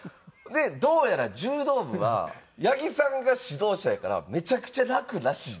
「どうやら柔道部は八木さんが指導者やからめちゃくちゃ楽らしいで」って。